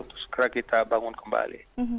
untuk segera kita bangun kembali